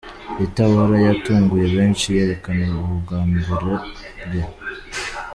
Rita Ora yatunguye benshi yerekana ubwambure bwe.